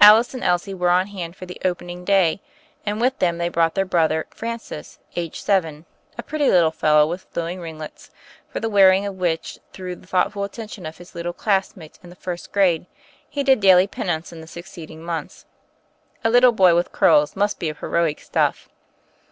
Alice and Elsie were on hand for the opening day, and with them they brought their brother, Francis, aged seven, a pretty little fellow with flowing ringlets, for the wearing of which, through the thoughtful attention of his little classmates in the first grade, he did daily pen ance in the succeeding months. A little boy with curls must be of heroic stuff.